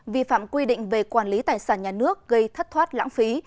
vi phạm quy định về quản lý tài sản nhà nước gây thất thoát lãng phí